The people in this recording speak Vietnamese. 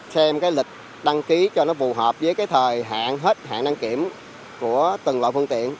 xem cái lịch đăng ký cho nó phù hợp với cái thời hạn hết hạn đăng kiểm của từng loại phương tiện